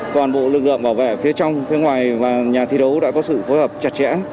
toàn bộ lực lượng bảo vệ phía trong phía ngoài và nhà thi đấu đã có sự phối hợp chặt chẽ